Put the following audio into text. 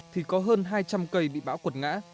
thì có hơn hai trăm linh cây bị bão quật ngã